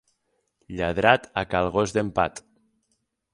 Lladrat a cal gos d'en Pat.